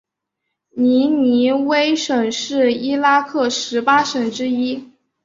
尼尼微省是伊拉克十八省之一。